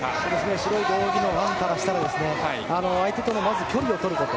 白い道着のアンからしたら相手との距離をとること。